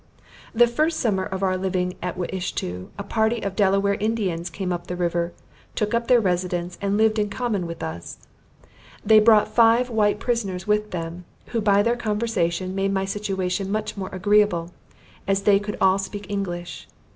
The first summer of our living at Wiishto, a party of Delaware Indians came up the river, took up their residence, and lived in common with us. They brought five white prisoners with them, who by their conversation, made my situation much more agreeable, as they could all speak English.